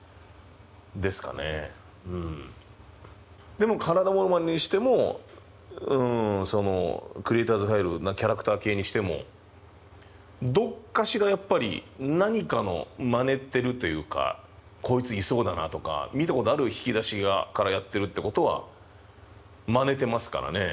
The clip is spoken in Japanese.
でも体モノマネにしてもそのクリエイターズ・ファイルキャラクター系にしてもどっかしらやっぱり何かのマネてるというかこいついそうだなとか見たことある引き出しからやってるってことはマネてますからね。